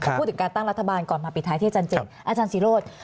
แต่พูดถึงการตั้งรัฐบาลก่อนมาปิดท้ายที่อาจารย์สีโรธ